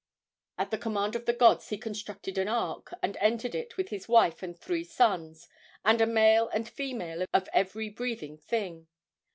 At the command of the gods he constructed an ark, and entered it with his wife and three sons, and a male and female of every breathing thing.